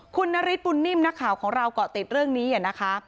คุณนาริสปุ่นนิ่มนักข่าวของเราก็ติดเรื่องนี้อย่างนี้นะคะ